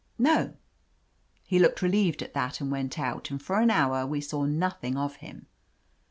"No." He looked relieved at that and went out, and for an hour we saw nothing of him.